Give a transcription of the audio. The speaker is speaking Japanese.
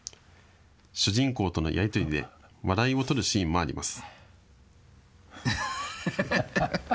主人公とのやり取りで笑いを取るシーンもあります。